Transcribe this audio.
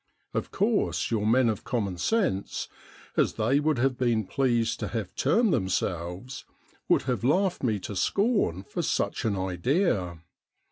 Of course your men of common sense, as they would have been pleased to have termed themselves, would have laughed me to scorn for such an idea.